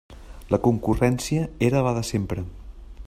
La concurrència era la de sempre.